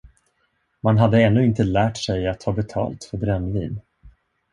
Man hade ännu inte lärt sig att ta betalt för brännvin.